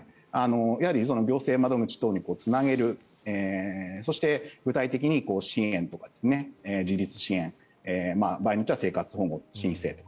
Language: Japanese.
行政窓口等につなげるそして、具体的に支援とか自立支援場合によっては生活保護申請と。